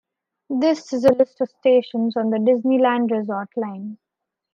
This is a list of the stations on the Disneyland Resort Line.